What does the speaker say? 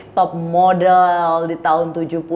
top model di tahun